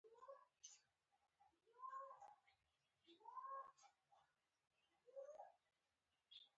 په طب کې د هر درد، زخم او ټپ علاج شته دی.